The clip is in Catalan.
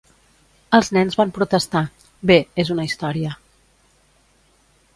Els nens van protestar: bé, és una història.